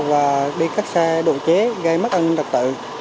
và đi cắt xe đồ chế gây mất ân trật tự